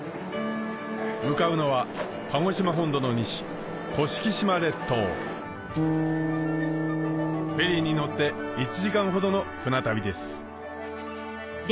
向かうのは鹿児島本土の西甑島列島フェリーに乗って１時間ほどの船旅です